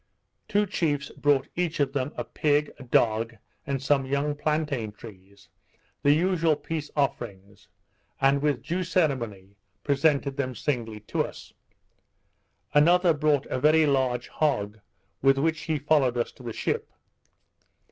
Two chiefs brought each of them a pig, a dog, and some young plantain trees, the usual peace offerings, and with due ceremony presented them singly to me. Another brought a very large hog, with which he followed us to the ship.